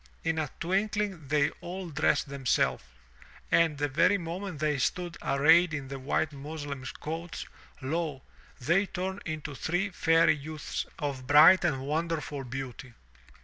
In a twinkling they all dressed themselves, and the very moment they stood arrayed in the white muslin coats, lo! they tumed into three fairy youths of bright and wonderful beauty.